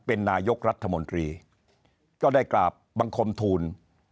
เป็นนายกรัฐมนตรีก็ได้กราบบังคมทูล